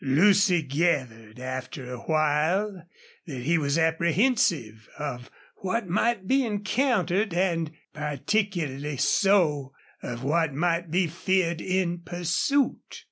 Lucy gathered after a while that he was apprehensive of what might be encountered, and particularly so of what might be feared in pursuit.